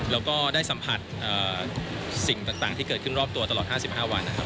และได้สัมผัสสิ่งต่างที่เกิดขึ้นรอบตัวตลอด๕๕วัน